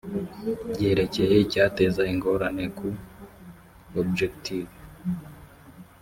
byerekeye icyateza ingorane ku objectives